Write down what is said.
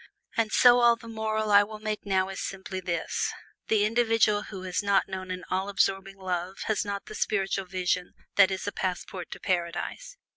And so all the moral I will make now is simply this: the individual who has not known an all absorbing love has not the spiritual vision that is a passport to Paradise.